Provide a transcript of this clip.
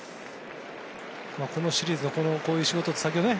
このシリーズこういう仕事をさせて。